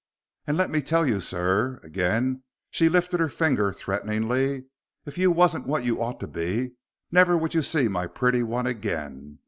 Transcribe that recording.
And let me tell you, sir," again she lifted her finger threateningly, "if you wasn't what you oughter be, never would you see my pretty one again.